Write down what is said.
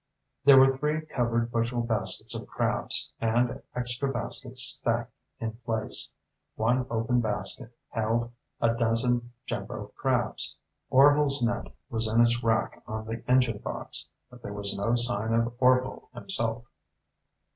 There were three covered bushel baskets of crabs, and extra baskets stacked in place. One open basket held a dozen jumbo crabs. Orvil's net was in its rack on the engine box, but there was no sign of Orvil himself.